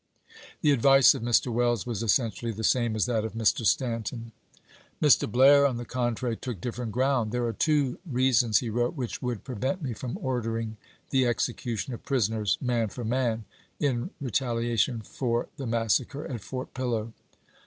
The advice of Mr. Welles was essentially the same as that of Mr. Stanton. Mr. Blair, on the contrary, took different ground. " There are two reasons," he wrote, " which would prevent me from ordering the execution of pris oners, man for man, in retaliation for the massacre at Fort Pillow.